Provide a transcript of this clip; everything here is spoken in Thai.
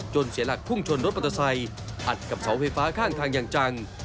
เสียหลักพุ่งชนรถมอเตอร์ไซค์อัดกับเสาไฟฟ้าข้างทางอย่างจัง